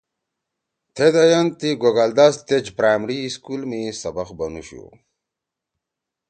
تھید اَیَن تی گوگال داس تیج پرائمری اسکول می سبق بنُوشُو